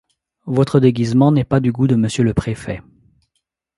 Votre déguisement n’est pas du goût de monsieur le préfet.